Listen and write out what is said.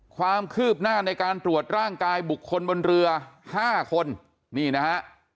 ความคืบหน้าในการตรวจร่างกายบุคคลบนเรือ๕คนนี่นะฮะ